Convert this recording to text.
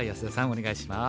お願いします。